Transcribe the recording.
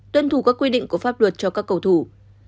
tuân thủ các quy định của pháp luật cho các cầu thủ